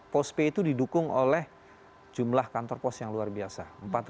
postpay itu didukung oleh jumlah kantor pos yang luar biasa